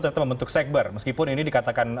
tetap membentuk sekber meskipun ini dikatakan